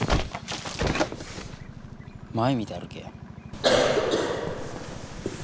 前見て歩けよ。